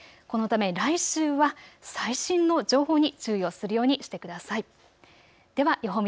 このため来週は最新の情報に注意をするようにしてください。